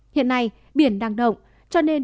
hiện nay biển đang động cho nên